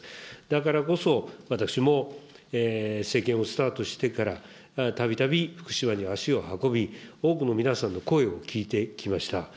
だからこそ、私も政権をスタートしてから、たびたび福島に足を運び、多くの皆さんの声を聞いてきました。